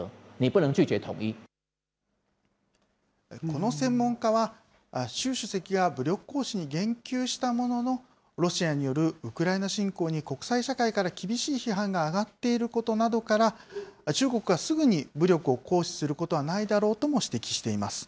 この専門家は、習主席が武力行使に言及したものの、ロシアによるウクライナ侵攻に国際社会から厳しい批判が上がっていることなどから、中国がすぐに武力を行使することはないだろうとも指摘しています。